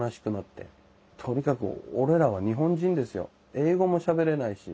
英語もしゃべれないし。